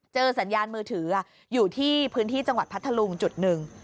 สัญญาณมือถืออยู่ที่พื้นที่จังหวัดพัทธลุงจุดหนึ่ง